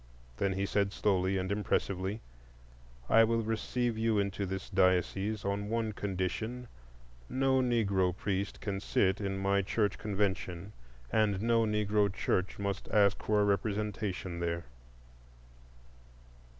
Then he said, slowly and impressively: "I will receive you into this diocese on one condition: no Negro priest can sit in my church convention, and no Negro church must ask for representation there."